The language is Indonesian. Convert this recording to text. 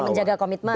soal menjaga komitmen